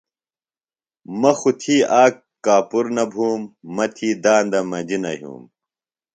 مہ خوۡ تھی آک کاپُر نہ بُھوم مہ تھی داندم مجیۡ نہ یُھوم